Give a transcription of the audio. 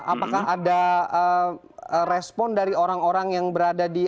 apakah ada respon dari orang orang yang berada di